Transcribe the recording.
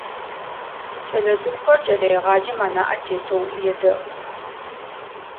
Кӏэлэцӏыкӏухэр кӏэлэегъаджэм анаӏэ тетэу едэӏух.